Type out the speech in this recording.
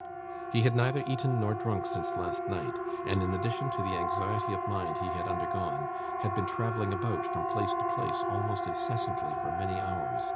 He had neither eaten nor drunk since last night, and, in addition to the anxiety of mind he had undergone, had been travelling about, from place to place almost incessantly, for many hours.